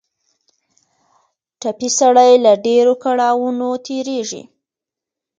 ټپي سړی له ډېرو کړاوونو تېرېږي.